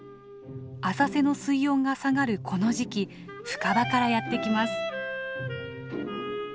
浅瀬の水温が下がるこの時期深場からやって来ます。